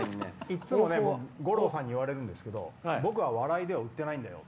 いつも五郎さんに言われるんですけど僕は笑いでは売ってないんだよ